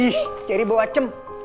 ih ceri bawa cem